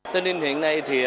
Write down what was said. tây ninh hiện nay